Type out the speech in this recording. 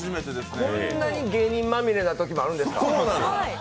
こんなに芸人まみれなときもあるんですか。